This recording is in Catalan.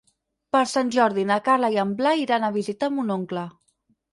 Per Sant Jordi na Carla i en Blai iran a visitar mon oncle.